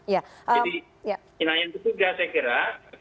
jadi yang itu juga saya kira